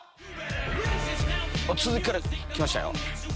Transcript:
続きから来ましたよ。